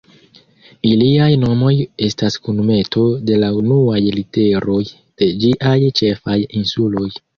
Iliaj nomoj estas kunmeto de la unuaj literoj de ĝiaj ĉefaj insuloj.